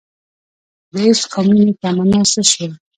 دعشق او مینې تمنا څه شوه